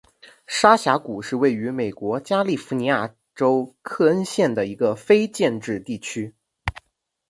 沙峡谷是位于美国加利福尼亚州克恩县的一个非建制地区。